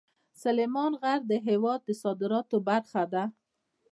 سلیمان غر د هېواد د صادراتو برخه ده.